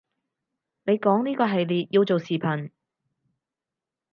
你講呢個系列要做視頻